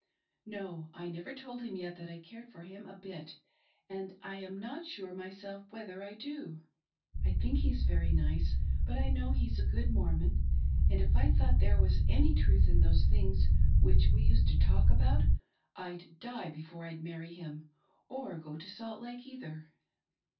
No ! I never told him yet that I cared for him a bit, and I am not sure myself whether I do. I think he's very nice, but I know he's a good Mormon, and if I thought there was any truth in those things which we used to talk about, I'd die before I'd marry him, or go to Salt Lake either.